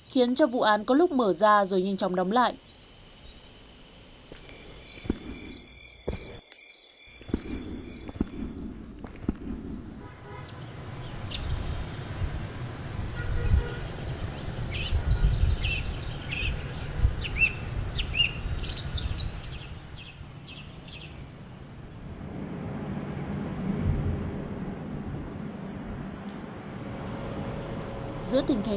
khiến cho vụ án có lúc mở ra rồi nhanh chóng đóng lại